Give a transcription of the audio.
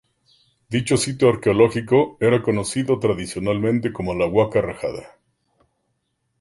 Dicho sitio arqueológico era conocido tradicionalmente como la Huaca Rajada.